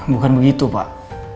bukan begitu pak